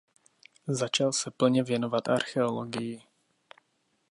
Začal se plně věnovat archeologii.